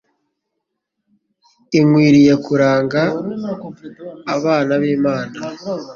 ikwiriye kuranga abana b’Imana?